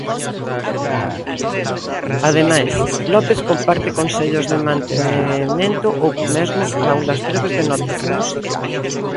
Ademais, López comparte consellos de mantemento ou mesmo aulas breves de notación musical.